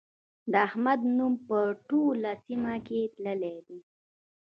د احمد نوم په ټوله سيمه کې تللی دی.